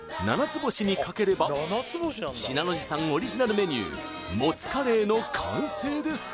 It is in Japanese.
つぼしにかければ信濃路さんオリジナルメニューもつカレーの完成です